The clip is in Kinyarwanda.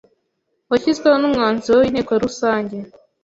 washyizweho n’umwanzuro w’Inteko Rusange